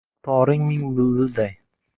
Toring ming bulbulday